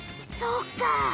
そうか。